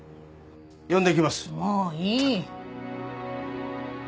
もういい。